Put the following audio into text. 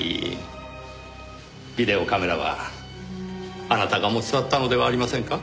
ビデオカメラはあなたが持ち去ったのではありませんか？